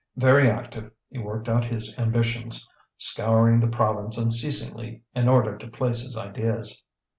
Very active, he worked out his ambitions, scouring the province unceasingly in order to place his ideas.